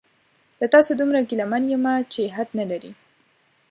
له تاسو دومره ګیله من یمه چې حد نلري